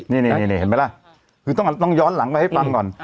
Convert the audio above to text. นี่เห็นไหมล่ะคือต้องย้อนหลังไปให้ฟังก่อน